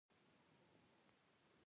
هغه تر اوسه پورې پر تخت نه وو کښېنستلی.